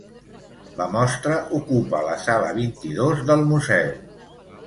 La mostra ocupa la sala vint-i-dos del museu.